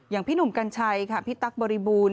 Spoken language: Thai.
อย่างพี่หนุ่มกัญชัยพี่ตั๊กบริบูรณ์